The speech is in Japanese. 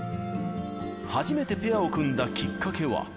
初めてペアを組んだきっかけは。